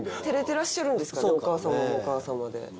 照れてらっしゃるんですかねお母さまもお母さまで。